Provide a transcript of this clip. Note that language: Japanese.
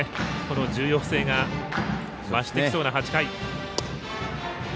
この重要性が増してきそうな８回。